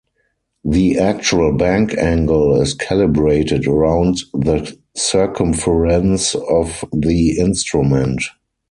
The actual bank angle is calibrated around the circumference of the instrument.